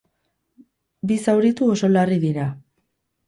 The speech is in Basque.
Bi zauritu oso larri dira.